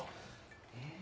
えっ？